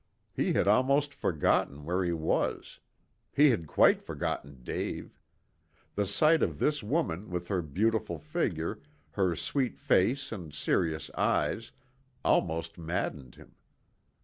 He had almost forgotten where he was. He had quite forgotten Dave. The sight of this woman with her beautiful figure, her sweet face and serious eyes, almost maddened him.